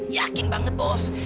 yakin banget bos